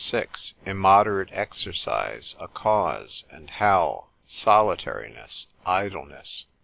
VI.—Immoderate Exercise a cause, and how. Solitariness, Idleness.